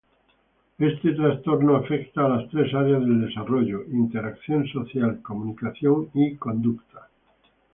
Este trastorno afecta a las tres Áreas del Desarrollo: interacción social, comunicación y conducta.